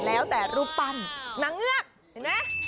แล้วแต่รูปปั้นนางเงือกเห็นไหม